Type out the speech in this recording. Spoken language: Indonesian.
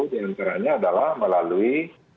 penyelenggaraannya adalah melalui